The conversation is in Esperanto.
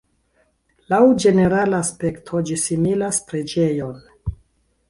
Laŭ ĝenerala aspekto ĝi similas preĝejon.